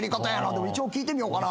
でも一応聞いてみようかな。